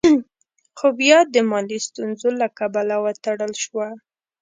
خو بيا د مالي ستونزو له کبله وتړل شوه.